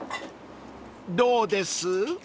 ［どうです？］